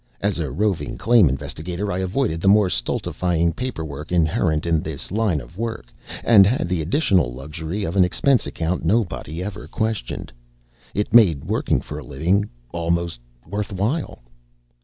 As a roving claim investigator, I avoided the more stultifying paper work inherent in this line of work and had the additional luxury of an expense account nobody ever questioned. It made working for a living almost worthwhile.